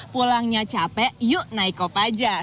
pulangnya capek yuk naik op aja